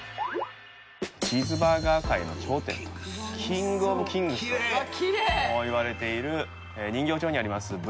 チーズバーガー界の頂点とキングオブキングスといわれている人形町にあります